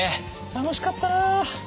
楽しかったな。